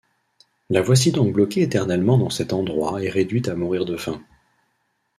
La voici donc bloquée éternellement dans cet endroit et réduite à mourir de faim.